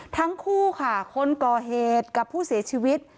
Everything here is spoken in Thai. ทั้งคู่ค่ะคนก่อเหตุกับผู้เสียชีวิต